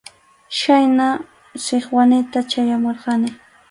Chhaynam Sikwanita chayamurqani.